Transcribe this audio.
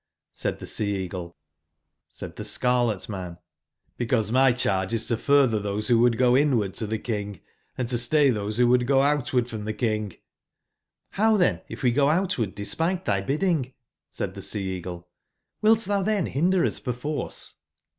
said tbe Sea/cagle^Said tbe scarlet man: ''Because my cbarge is to furtber tbose wbo would go inward to tbe King, and to stay tbose wbo would go outward from tbe King"j^ '' Row tben if we go outward despite tby bidding?" said tbe Sea/ eagle, ''wilt tbou tben binder us perforce